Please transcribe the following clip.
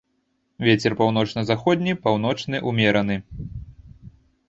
Вецер паўночна-заходні, паўночны ўмераны.